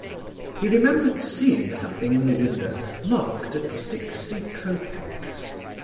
He remembered seeing something in the window marked at sixty copecks.